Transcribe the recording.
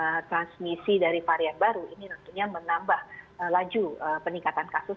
jadi transmisi dari varian baru ini tentunya menambah laju peningkatan kasus